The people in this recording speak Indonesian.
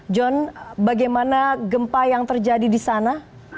john bagaimana gempa yang terjadi di sana